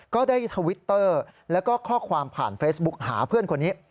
ก็ได้ทวิตเตอร์แล้วก็ข้อความผ่านเฟซบุ๊กหาเพื่อนคนนี้